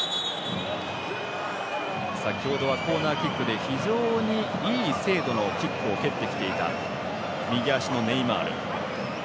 先ほどはコーナーキックでいい精度のキックを蹴ってきた右足のネイマール。